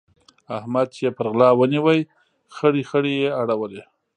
احمد چې يې پر غلا ونيو؛ خړې خړې يې اړولې.